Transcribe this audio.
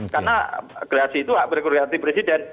karena gerasi itu berkuria di presiden